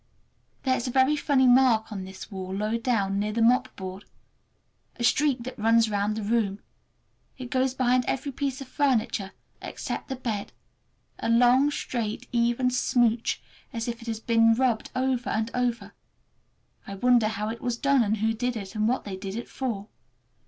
There is a very funny mark on this wall, low down, near the mopboard. A streak that runs round the room. It goes behind every piece of furniture, except the bed, a long, straight, even smooch, as if it had been rubbed over and over. I wonder how it was done and who did it, and what they did it for.